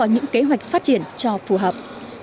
mới có những kế hoạch phát triển cho phù hợp